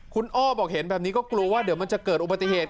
คุณอ้อบอกเห็นแบบนี้ก็กลัวว่าเดี๋ยวมันจะเกิดอุบัติเหตุ